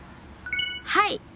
はい。